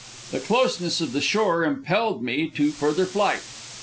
The closeness of the shore impelled me to further flight.